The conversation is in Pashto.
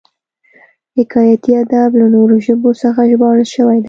حکایتي ادب له نورو ژبو څخه ژباړل شوی دی